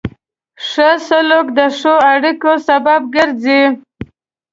ښه سلوک د ښو اړیکو سبب ګرځي.